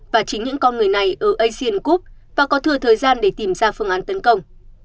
và chính những con người này ở asian group và có thừa thời gian để tìm ra phương án tấn công